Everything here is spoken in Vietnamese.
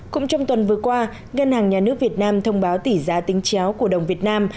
cũng trong tuần vừa qua ngân hàng nhà nước việt nam thông báo tỷ giá tính chéo của đồng việt nam